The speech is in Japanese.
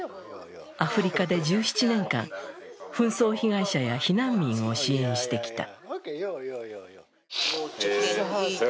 アフリカで１７年間、紛争被害者や避難民を支援してきた。